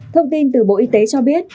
thông tin từ bộ y tế cho biết